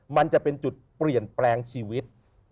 มันจะเป็นจุดเปลี่ยนแปลงชีวิต